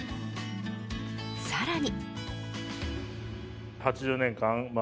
さらに。